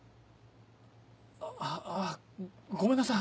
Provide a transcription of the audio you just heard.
あっごめんなさい